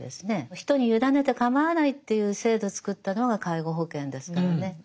人に委ねて構わないっていう制度を作ったのが介護保険ですからね。